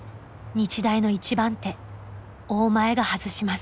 日大の１番手「大前」が外します。